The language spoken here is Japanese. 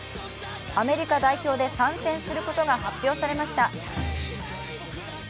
アメリカ代表で参戦することが発表されました。